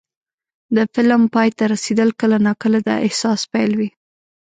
د فلم پای ته رسېدل کله ناکله د احساس پیل وي.